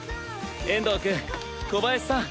遠藤くん小林さん。